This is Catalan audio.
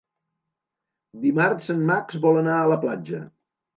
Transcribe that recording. Dimarts en Max vol anar a la platja.